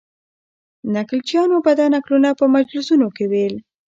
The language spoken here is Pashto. نکلچیانو به دا نکلونه په مجلسونو کې ویل.